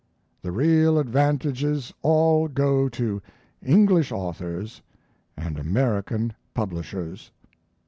The real advantages all go to English authors and American publishers.